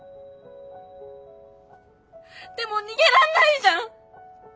でも逃げらんないじゃん！